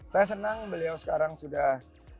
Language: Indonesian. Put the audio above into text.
saya senang beliau sekarang sudah